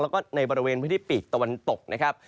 แล้วก็ในบริเวณพื้นที่ปีกตะวันตกนะครับ